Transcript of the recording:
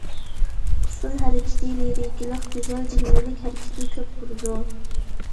ئۇسۇل ھەرىكىتى لىرىكىلىق، گۈزەل، جىلۋىلىك ھەرىكىتى كۆپ بولىدۇ.